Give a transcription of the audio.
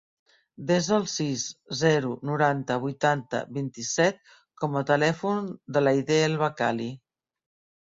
Desa el sis, zero, noranta, vuitanta, vint-i-set com a telèfon de l'Aidé El Bakkali.